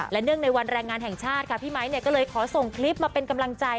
และเนื่องในวันแรงงานแห่งชาติค่ะพี่ไมค์ก็เลยขอส่งคลิปมาเป็นกำลังใจ